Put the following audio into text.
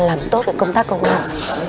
làm tốt công tác công an